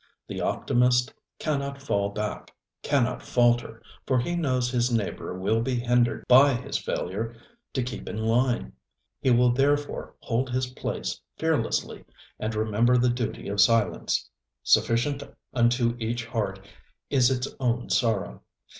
The optimist cannot fall back, cannot falter; for he knows his neighbor will be hindered by his failure to keep in line. He will therefore hold his place fearlessly and remember the duty of silence. Sufficient unto each heart is its own sorrow.